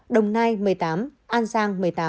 đồng nai một mươi tám an giang một mươi tám